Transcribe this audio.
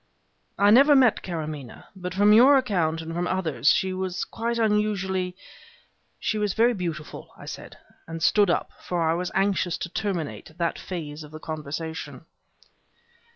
"I never met Karamaneh, but from your account, and from others, she was quite unusually " "She was very beautiful," I said, and stood up, for I was anxious to terminate that phase of the conversation.